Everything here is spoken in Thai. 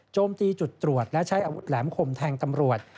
ตีจุดตรวจและใช้อาวุธแหลมคมแทงตำรวจ